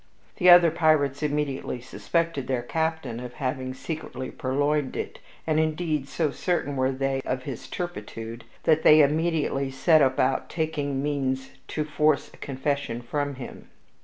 The other pirates immediately suspected their captain of having secretly purloined it, and, indeed, so certain were they of his turpitude that they immediately set about taking means to force a confession from him.